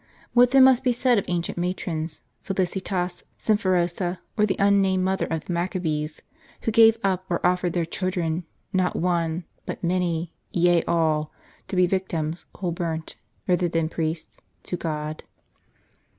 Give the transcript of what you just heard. What then must be said of ancient matrons, — Felicitas, Symphorosa, or the unnamed mother of the Maccabees, — who gave up or offered their children, not one, but many, yea all, to be victims whole burnt, rather than priests, to God